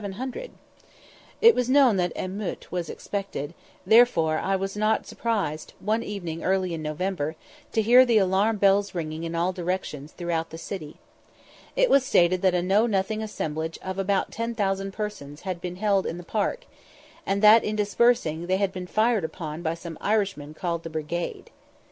It was known that an émeute was expected, therefore I was not surprised, one evening early in November, to hear the alarm bells ringing in all directions throughout the city. It was stated that a Know nothing assemblage of about 10,000 persons had been held in the Park, and that, in dispersing, they had been fired upon by some Irishmen called the Brigade.